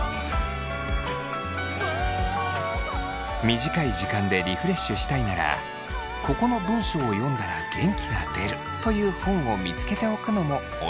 短い時間でリフレッシュしたいなら「ここの文章を読んだら元気が出る」という本を見つけておくのもオススメです。